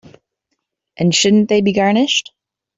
And shouldn't they be garnished?